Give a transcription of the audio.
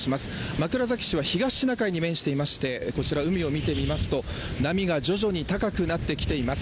枕崎市は東シナ海に面していまして、こちら、海を見てみますと、波が徐々に高くなってきています。